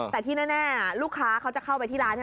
แต่ที่แน่ลูกค้าเขาจะเข้าไปที่ร้าน